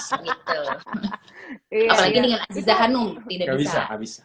apalagi dengan aziza hanum tidak bisa